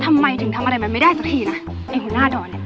ทำไมถึงทำอะไรมันไม่ได้สักทีนะไอ้หัวหน้าดอนเนี่ย